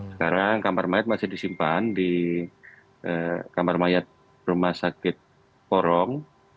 sekarang kamar mayat masih disimpan di kamar mayat rumah sakit porong